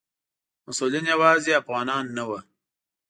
مسؤلین یوازې افغانان نه وو.